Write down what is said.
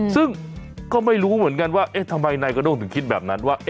ซึ่งก็ไม่รู้เหมือนกันว่าทำไมนายกระโด้งถึงคิดแบบนั้นว่า